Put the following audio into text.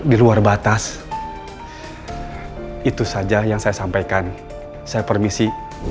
di tempat mana seperti ini